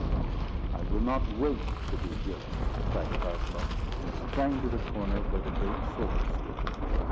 "I will not wait to be willing," cried Cosmo; and sprang to the corner where the great sword stood.